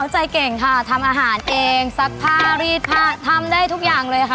ใจเก่งค่ะทำอาหารเองซักผ้ารีดผ้าทำได้ทุกอย่างเลยค่ะ